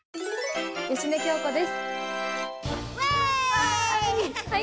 芳根京子です。わい！